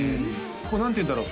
こう何ていうんだろう